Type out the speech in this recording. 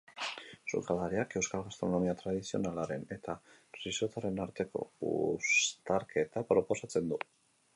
Sukaldariak euskal gastronomia tradizionalaren eta risottoaren arteko uztarketa proposatzen du.